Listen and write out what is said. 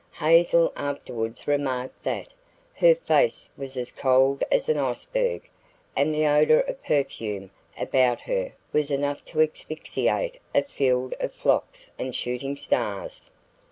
Hazel afterwards remarked that "her face was as cold as an iceberg and the odor of perfume about her was enough to asphyxiate a field of phlox and shooting stars."